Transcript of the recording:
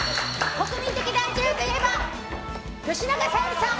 国民的大女優といえば吉永小百合さん！